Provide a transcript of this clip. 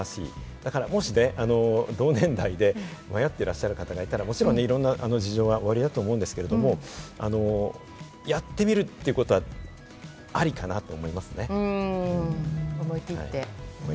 だからもし同年代で迷ってらっしゃる方がいたら、いろんな事情はおありだと思うんですけれども、やってみるということは、ありかなと思いますね。